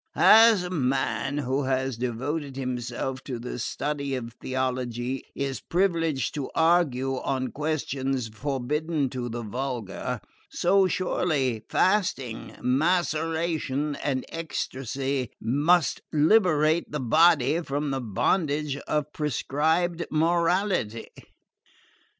As a man who has devoted himself to the study of theology is privileged to argue on questions forbidden to the vulgar, so surely fasting, maceration and ecstasy must liberate the body from the bondage of prescribed morality.